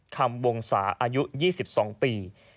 คำวงศาอายุ๒๒ปี